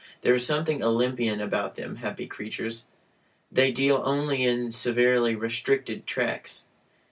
There is something Olympian about them, happy creatures! They deal only in severely "restricted" tracts.